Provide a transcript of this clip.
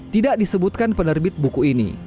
tidak disebutkan penerbit buku ini